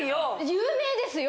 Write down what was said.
有名ですよ。